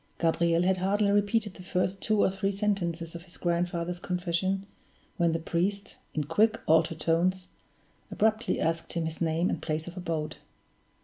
Gabriel had hardly repeated the first two or three sentences of his grandfather's confession, when the priest, in quick, altered tones, abruptly asked him his name and place of abode.